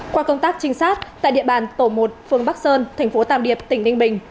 qua công tác trinh sát tại địa bàn tổ một phương bắc sơn thành phố tàm điệp tỉnh ninh bình